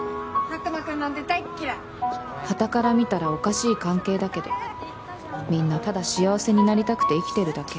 はたから見たらおかしい関係だけどみんなただ幸せになりたくて生きてるだけ。